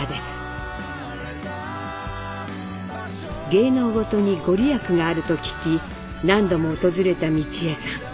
芸能事にご利益があると聞き何度も訪れた美智榮さん。